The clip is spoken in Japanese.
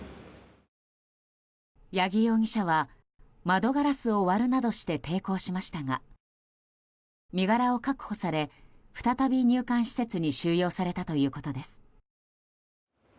八木容疑者は窓ガラスを割るなどして抵抗しましたが身柄を確保され、再び入館施設に収容されたということです。